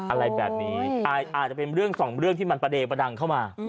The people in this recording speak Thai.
อะไรแบบนี้อาจจะเป็นเรื่องสองเรื่องที่มันประเดประดังเข้ามา